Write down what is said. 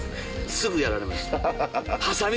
すぐやられました。